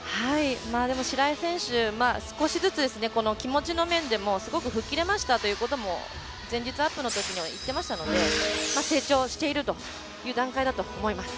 でも白井選手、少しずつ気持ちの面でも吹っ切れましたということも前日、アップのときに言っていましたので成長しているという段階だと思います。